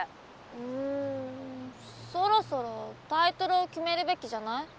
うんそろそろタイトルを決めるべきじゃない？